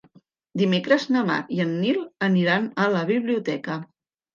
Dimecres na Mar i en Nil aniran a la biblioteca.